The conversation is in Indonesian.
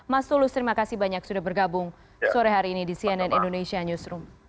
mas tulus terima kasih banyak sudah bergabung sore hari ini di cnn indonesia newsroom